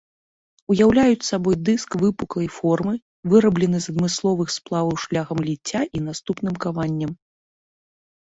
Уяўляюць сабой дыск выпуклай формы, выраблены з адмысловых сплаваў шляхам ліцця і наступным каваннем.